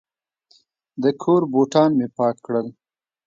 د کور بوټان مې پاک کړل.